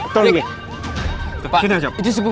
tak ada yang diturunkan